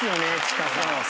千佳さん。